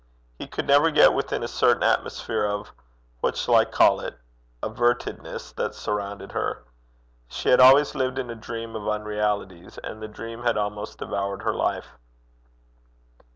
He could never get within a certain atmosphere of what shall I call it? avertedness that surrounded her. She had always lived in a dream of unrealities; and the dream had almost devoured her life.